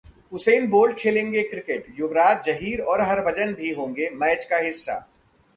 Usain Bolt खेलेंगे cricket, Yuvraj, Zaheer और हरभजन भी होंगे मैच का हिस्सा